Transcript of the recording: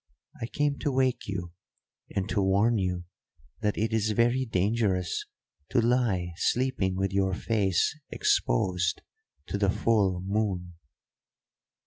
I came to wake you, and to warn you that it is very dangerous to lie sleeping with your face exposed to the full moon."